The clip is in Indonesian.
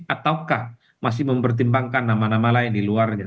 ataukah masih mempertimbangkan nama nama lain di luarnya